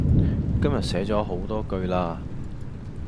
今日寫左好多句啦